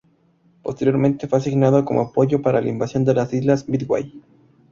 Posteriormente fue asignado como apoyo para la invasión de las islas Midway.